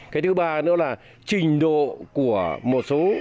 cái thứ ba nữa là trình độ của một số